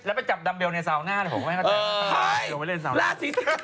แล้วไปจับดำเบลในซาวน่ามั้ยเขาก็จะ